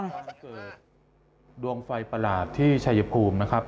การเกิดดวงไฟประหลาดที่ชายภูมินะครับ